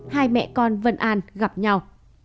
hai mẹ con vân an gặp nhau